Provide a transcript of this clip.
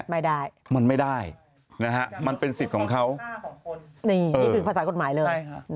ไม่ได้มันไม่ได้นะฮะมันเป็นสิทธิ์ของเขานี่นี่คือภาษากฎหมายเลย